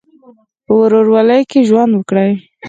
په ورورولۍ کې ژوند وکړئ.